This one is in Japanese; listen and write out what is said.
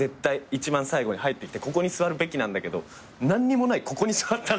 一番最後に入ってきてここに座るべきなんだけど何にもないここに座った。